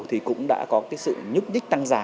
thì cũng đã có cái sự nhúc nhích tăng giá